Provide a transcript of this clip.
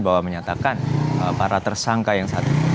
bahwa menyatakan para tersangka yang saat ini